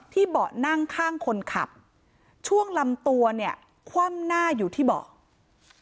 เบาะนั่งข้างคนขับช่วงลำตัวเนี่ยคว่ำหน้าอยู่ที่เบาะ